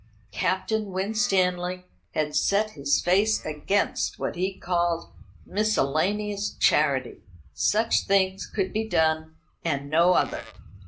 Captain Winstanley had set his face against what he called miscellaneous charity. Such things should be done and no other.